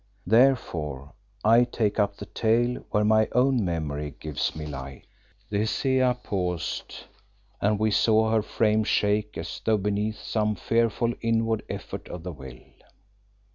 Therefore I take up the tale where my own memory gives me light." The Hesea paused, and we saw her frame shake as though beneath some fearful inward effort of the will.